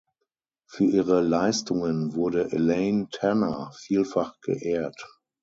Für ihre Leistungen wurde Elaine Tanner vielfach geehrt.